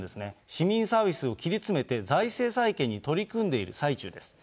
市民サービスを切り詰めて、財政再建に取り組んでいる最中です。